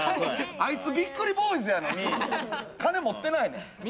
あいつ、びっくりボーイズやのに金持ってないねん。